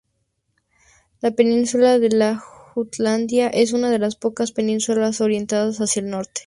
La península de Jutlandia es una de las pocas penínsulas orientadas hacia el norte.